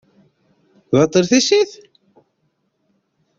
Baṭel tissit?